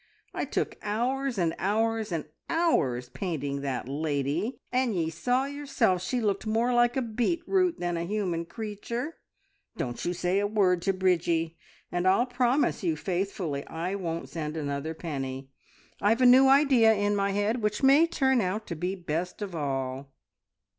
I took hours, and hours, and hours painting that lady, and ye saw yourself she looked more like a beetroot than a human creature. Don't you say a word to Bridgie, and I'll promise you faithfully I won't send another penny. I've a new idea in my head, which maybe will turn out best of all."